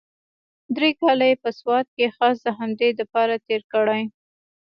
درې کاله يې په سوات کښې خاص د همدې دپاره تېر کړي.